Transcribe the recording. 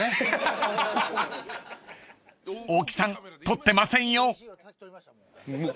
［大木さん撮ってませんよ］